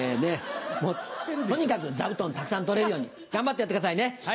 とにかく座布団をたくさん取れるように頑張ってやってくださいね。